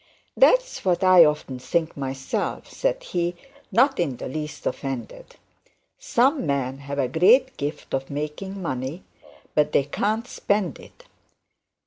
'That's what I often think myself,' said he, not in the least offended. 'Some men have a great gift of making money, but they can't spend it.